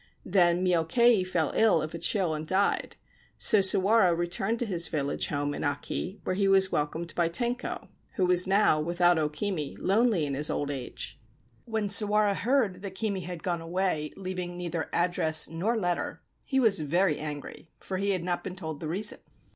Then Myokei fell ill of a chill and died : so Sawara returned to his village home in Aki, where he was welcomed by Tenko, who was now, without O Kimi, lonely in his old age. When Sawara heard that Kimi had gone away leaving neither address nor letter he was very angry, for he had not been told the reason.